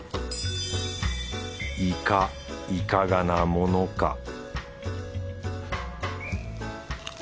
いかいかがなものか